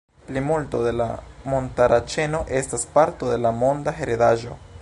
Plimulto de la montara ĉeno estas parto de la Monda heredaĵo.